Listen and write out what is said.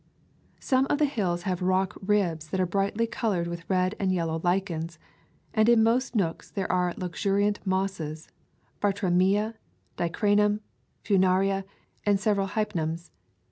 Some of the hills have rock ribs that are brightly colored with red and yellow lichens, and in moist nooks there are luxuriant mosses — Bartramia, Di cranum, Funaria, and several Hypnums.